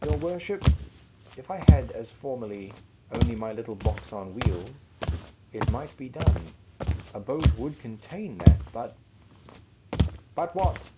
"Your worship, if I had, as formerly, only my little box on wheels, it might be done. A boat would contain that; but " "But what?"